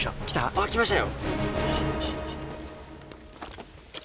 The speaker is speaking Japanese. あっ来ましたよ。